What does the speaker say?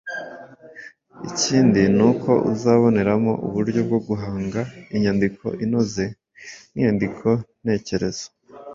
Ikindi ni uko uzaboneramo uburyo bwo guhanga imyandiko inoze nk’imyandiko ntekerezo,